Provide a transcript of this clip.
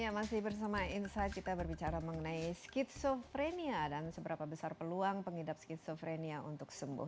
ya masih bersama insight kita berbicara mengenai skizofrenia dan seberapa besar peluang pengidap skizofrenia untuk sembuh